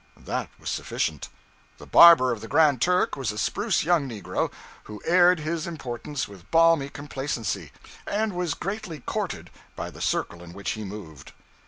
That was sufficient. The barber of the 'Grand Turk' was a spruce young negro, who aired his importance with balmy complacency, and was greatly courted by the circle in which he moved.